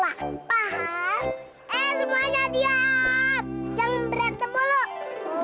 jangan berantem molo